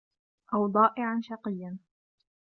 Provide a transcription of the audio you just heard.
أَوْ ضَائِعًا شَقِيًّا